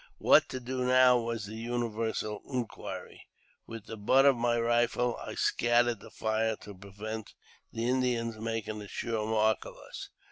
What to do now was the universal inquiry. With the butt of my rifle I scattered the fire, to prevent the Indians making a sure mark of us.